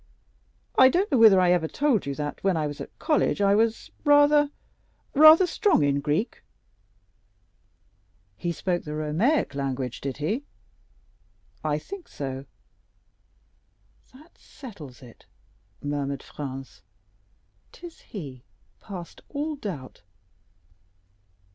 I don't know whether I ever told you that when I was at college I was rather—rather strong in Greek." "He spoke the Romaic language, did he?" "I think so." "That settles it," murmured Franz. "'Tis he, past all doubt."